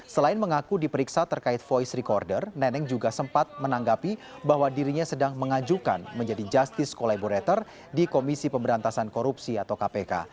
selain mengaku diperiksa terkait voice recorder neneng juga sempat menanggapi bahwa dirinya sedang mengajukan menjadi justice collaborator di komisi pemberantasan korupsi atau kpk